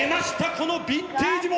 このビンテージ物！